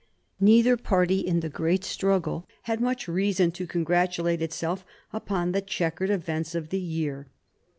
Neither party in the great struggle had much reason to congratulate itself upon the checkered events of the year.